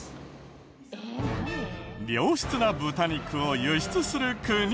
良質な豚肉を輸出する国。